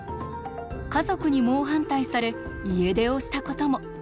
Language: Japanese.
家族に猛反対され家出をしたことも。